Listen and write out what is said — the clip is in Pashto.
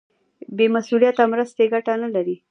بې مسولیته مرستې ګټه نه لري.